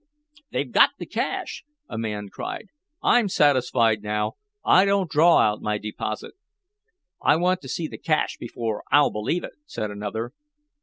"They've got the cash!" a man cried. "I'm satisfied now. I won't draw out my deposit." "I want to see the cash before I'll believe it," said another.